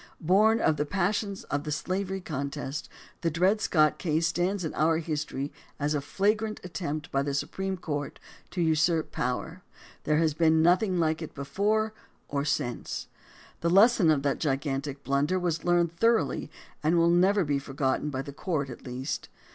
Born of the passions of the slavery contest, the Dred Scott case stands in our history as a flagrant attempt by the Su preme Court to usurp power. There has been noth ing like it before or since. The lesson of that gigantic blunder was learned thoroughly and will never be for gotten by the court at least.